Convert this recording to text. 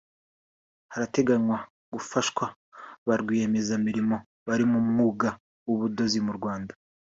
harateganywa gufashwa ba rwiyiyemezamirimo bari mu mwuga w’ubudozi mu Rwanda